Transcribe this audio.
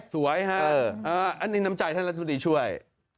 ฮะอันนี้น้ำใจท่านรัฐมนตรีช่วย